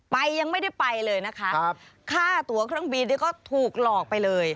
ยังไม่ได้ไปเลยนะคะค่าตัวเครื่องบินนี่ก็ถูกหลอกไปเลย